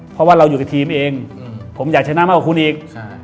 เพราะว่าเราอยู่กับทีมเองผมอยากชนะมากกว่าคุณอีก